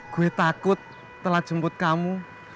gue takut telah jemput kamu